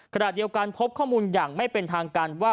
ขณะเดียวกันพบข้อมูลอย่างไม่เป็นทางการว่า